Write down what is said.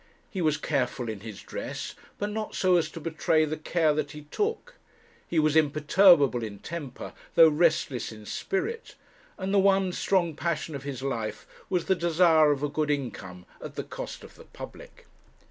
He was careful in his dress, but not so as to betray the care that he took; he was imperturbable in temper, though restless in spirit; and the one strong passion of his life was the desire of a good income at the cost of the public.